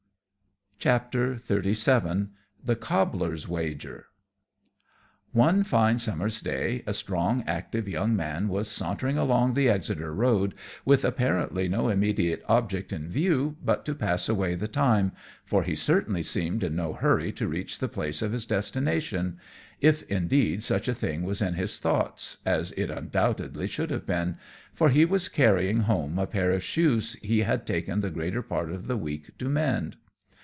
XXXVII. The Cobbler's Wager. One fine summer's day a strong, active young man was sauntering along the Exeter road, with apparently no immediate object in view but to pass away the time, for he certainly seemed in no hurry to reach the place of his destination if, indeed, such a thing was in his thoughts, as it undoubtedly should have been, for he was carrying home a pair of shoes he had taken the greater part of the week to mend.